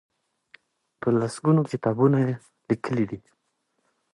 په لس ګونو کتابونه لیکلي دي.